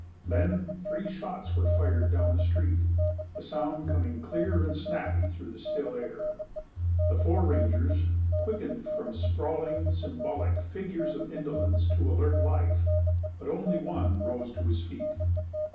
Then three shots were fired down the street, the sound coming clear and snappy through the still air. The four rangers quickened from sprawling, symbolic figures of indolence to alert life, but only one rose to his feet.